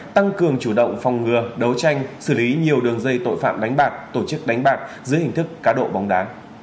tăng cường chủ động phòng ngừa đấu tranh xử lý nhiều đường dây tội phạm đánh bạc tổ chức đánh bạc dưới hình thức cá độ bóng đá